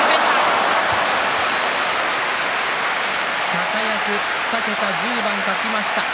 高安２桁１０番勝ちました。